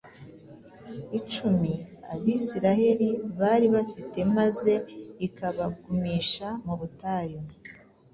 icumi Abisirayeli bari bafite maze ikabagumisha mu butayu.